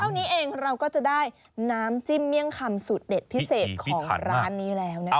นี้เองเราก็จะได้น้ำจิ้มเมี่ยงคำสูตรเด็ดพิเศษของร้านนี้แล้วนะคะ